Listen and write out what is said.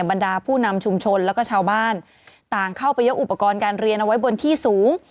บรรดาผู้นำชุมชนแล้วก็ชาวบ้านต่างเข้าไปยกอุปกรณ์การเรียนเอาไว้บนที่สูง